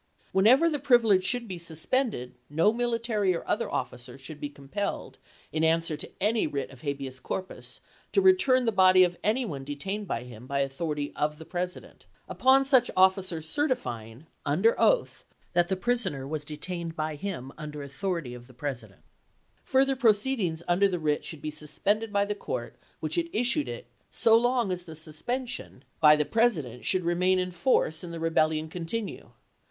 Whenever the privilege should be suspended no military or other officer should be compelled, in answer to any writ of habeas corpus, to return the body of any one detained by him by authority of the President ; upon such officer certifying, under oath, that the prisoner was detained by him under authority of the President, further proceedings under the writ should be suspended by the court which had issued it so long as the suspension by 36 ABEAHAM LINCOLN Chap. II. the President should remain in force and the Rebel lion continue.